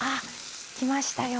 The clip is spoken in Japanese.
きましたよ。